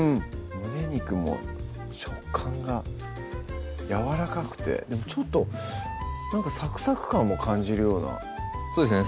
胸肉も食感がやわらかくてでもちょっとなんかサクサク感も感じるようなそうですね